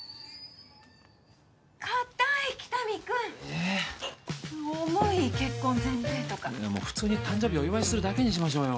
かたい喜多見君えっ重い結婚前提とか普通に誕生日お祝いするだけにしましょうよ